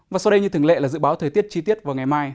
và sau đây như thường lệ là dự báo thời tiết chi tiết vào ngày mai